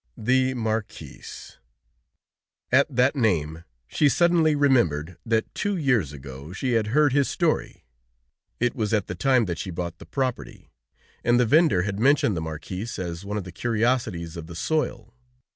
The Marquis! At that name she suddenly remembered that two years ago she had heard his story. It was at the time that she bought the property, and the vendor had mentioned the Marquis as one of the curiosities of the soil.